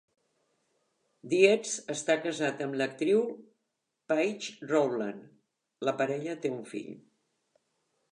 Dietz està casat amb l'actriu Paige Rowland; la parella té un fill.